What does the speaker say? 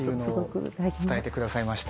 伝えてくださいました。